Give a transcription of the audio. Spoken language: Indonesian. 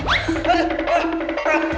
aduh makasih lah